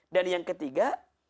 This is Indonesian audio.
dan yang ketiga